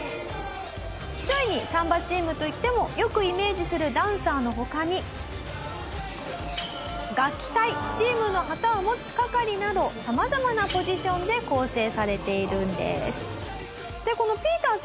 ひとえにサンバチームといってもよくイメージするダンサーの他に楽器隊チームの旗を持つ係など様々なポジションで構成されているんです。